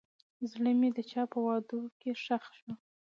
زړه مې د چا په وعدو کې ښخ شو.